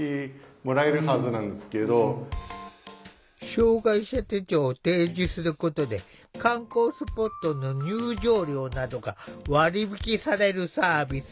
障害者手帳を提示することで観光スポットの入場料などが割り引きされるサービス。